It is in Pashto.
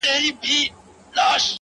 د وجود ساز ته یې رگونه له شرابو جوړ کړل؛